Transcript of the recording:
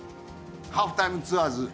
『ハーフタイムツアーズ』